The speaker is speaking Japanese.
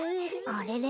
あれ？